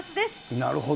なるほど。